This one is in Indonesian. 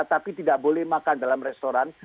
tapi tidak boleh makan dalam restoran